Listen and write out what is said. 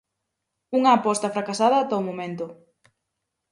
Unha aposta fracasada ata o momento.